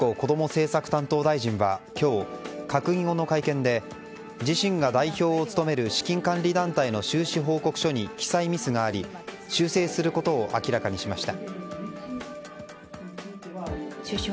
政策担当大臣は今日閣議後の会見で自身が代表を務める資金管理団体の収支報告書に記載ミスがあり修正することを明らかにしました。